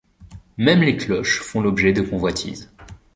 Mêmes les cloches font l'objet de convoitises.